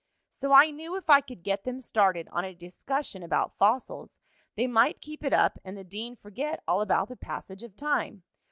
So I knew if I could get them started on a discussion about fossils they might keep it up and the dean forget all about the passage of time.